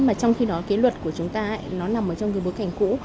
mà trong khi đó cái luật của chúng ta nó nằm ở trong cái bối cảnh cũ